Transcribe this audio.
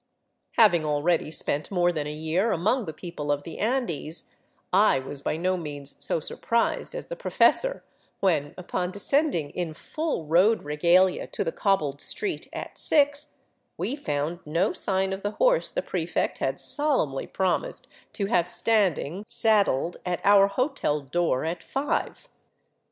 Having already spent more than a year among the people of the Andes, I was by no means so surprised as the professor when, upon descending in full road regalia to the cobbled street at six, we found no sign of the horse the prefect had solemnly promised to have stand ing saddled at our hotel door at five.